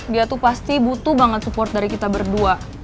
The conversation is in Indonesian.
dia tuh pasti butuh banget support dari kita berdua